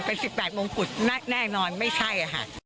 เป็นสิบตั้งงงคุณแน่นอนไม่ใช่